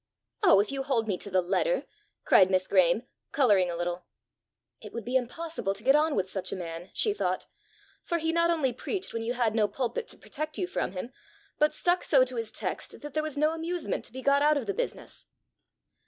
"Oh, if you hold me to the letter!" cried Miss Graeme, colouring a little. "It would be impossible to get on with such a man," she thought, "for he not only preached when you had no pulpit to protect you from him, but stuck so to his text that there was no amusement to be got out of the business!"